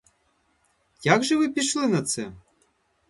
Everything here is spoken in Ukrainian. Як же ви пішли на це?